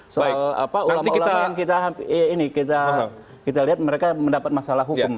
soal apa ulama ulama yang kita lihat mereka mendapat masalah hukum